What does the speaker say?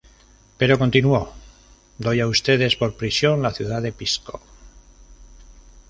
Pero, continuó: "doy a ustedes por prisión la ciudad de Pisco.